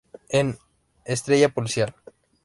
En: Estrella Policial.